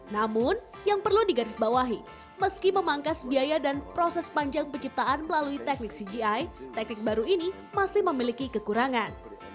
namun yang perlu digarisbawahi meski memangkas biaya dan proses panjang penciptaan melalui teknik cgi teknik baru ini masih memiliki kekurangan